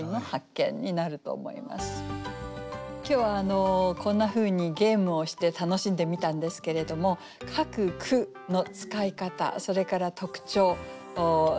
それも今日はこんなふうにゲームをして楽しんでみたんですけれども各句の使い方それから特徴流れ